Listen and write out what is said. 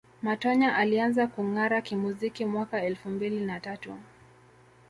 Matonya alianza kungara kimuziki mwaka elfu mbili na tatu